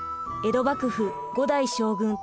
江戸幕府５代将軍